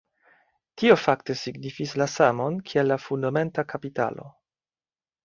Tio fakte signifis la samon kiel la fundamenta kapitalo.